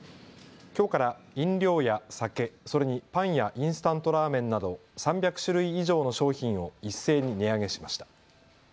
きょうから飲料や酒、それにパンやインスタントラーメンなど３００種類以上の商品を一斉に値上げしました。